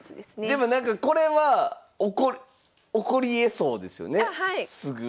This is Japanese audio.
でもなんかこれは起こりえそうですよねすぐ。